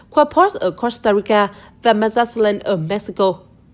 quapos ở costa rica và mazatlan ở mexico